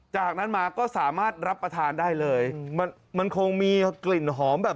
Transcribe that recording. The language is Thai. จากนั้นมาก็สามารถรับประทานได้เลยมันมันคงมีกลิ่นหอมแบบ